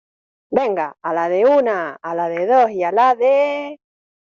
venga, a la de una , a la de dos y a la de...